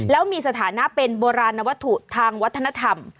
แล้วมีสถานะเป็นโบราณวัตถุทางวัฒนธรรม